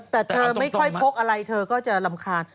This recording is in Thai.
แต่เธอไม่ค่อยพกอะไรเธอก็จะรำคาญ